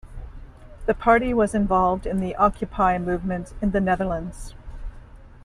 The party was involved in the Occupy movement in the Netherlands.